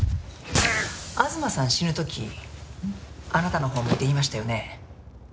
東さん死ぬ時あなたのほう見て言いましたよね。